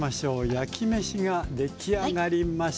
焼きめしが出来上がりました。